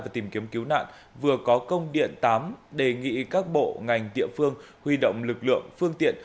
và tìm kiếm cứu nạn vừa có công điện tám đề nghị các bộ ngành địa phương huy động lực lượng phương tiện